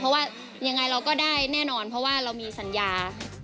เพราะว่ายังไงเราก็ได้แน่นอนเพราะว่าเรามีสัญญา